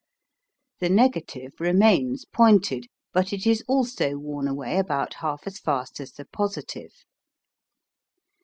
The negative remains pointed, but it is also worn away about half as fast as the positive.